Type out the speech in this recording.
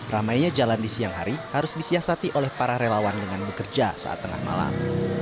ramainya jalan di siang hari harus disiasati oleh para relawan dengan bekerja saat tengah malam